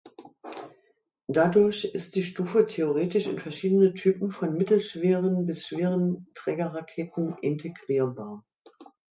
Dadurch ist die Stufe theoretisch in verschiedene Typen von mittelschweren bis schweren Trägerraketen integrierbar.